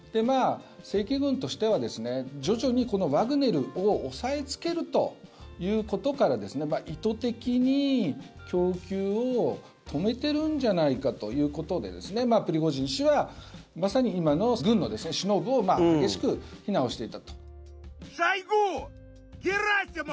正規軍としては徐々にワグネルを抑えつけるということから意図的に供給を止めてるんじゃないかということでプリゴジン氏は今の軍の首脳部を激しく非難をしていたと。